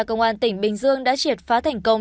công an tỉnh bình dương đã triệt phá thành công